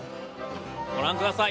ご覧ください